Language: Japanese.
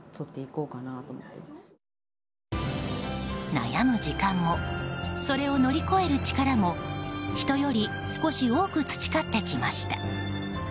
悩む時間もそれを乗り越える力も人より少し多く培ってきました。